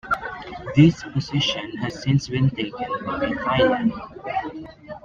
This position has since been taken by Thailand.